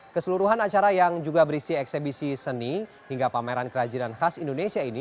keseluruhan acara yang juga berisi eksebisi seni hingga pameran kerajinan khas indonesia ini